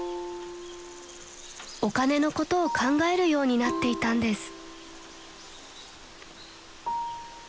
［お金のことを考えるようになっていたんです］